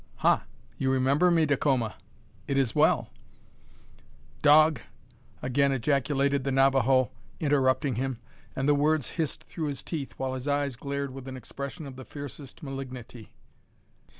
"Ha! you remember me, Dacoma? It is well " "Dog!" again ejaculated the Navajo, interrupting him; and the words hissed through his teeth, while his eyes glared with an expression of the fiercest malignity.